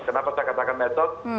kenapa saya katakan metode